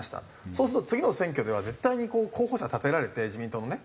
そうすると次の選挙では絶対に候補者を立てられて自民党のね。